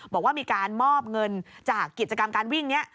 บอกว่ามีการมอบเงินจากกิจกรรมการวิ่งนี้